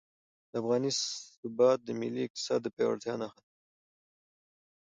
د افغانۍ ثبات د ملي اقتصاد د پیاوړتیا نښه ده.